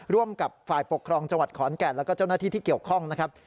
ร่วมกับฝ่ายปกครองจังหวัดขอนแก่นแล้วก็เจ้าหน้าที่ที่เกี่ยวข้องนะครับ